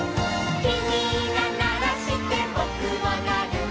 「きみがならしてぼくもなる」